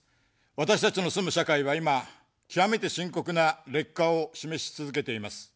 私たちの住む社会は、今極めて深刻な劣化を示し続けています。